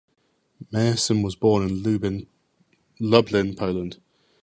Meyerson was born in Lublin, Poland.